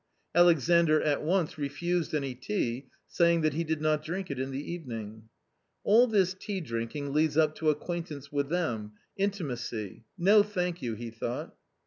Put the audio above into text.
Alexandr at once refused any tea, saying that he did not drink it in the evening. " All this tea drinking leads up to acquaintance with them — intimacy — no, thank you !" he thought.